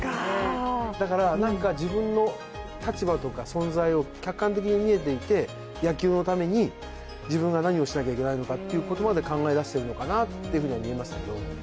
だからなんか、自分の立場とか存在を客観的に見えていて野球のために自分が何をしなきゃいけないのかっていうところまで考え出しているのかなとは見えますけど。